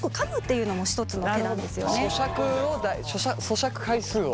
そしゃく回数を。